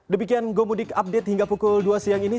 demikian gomudik update hingga pukul dua siang ini